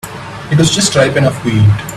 It was just ripe enough to eat.